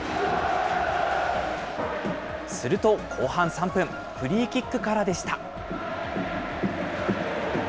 すると後半３分、フリーキックからでした。